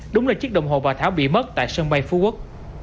đúng là chiếc đồng hồ bà tháo bị mất tại sân bay phú quốc